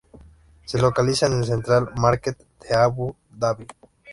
Se localiza en el Central Market de Abu Dhabi.